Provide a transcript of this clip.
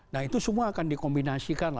nah itu semua akan dikombinasikan